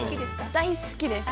大好きです。